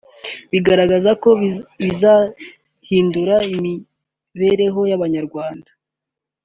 bagaragaza ko bizahindura imibereho y’abanyarwanda